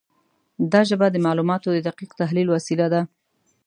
دا ژبه د معلوماتو د دقیق تحلیل وسیله ده.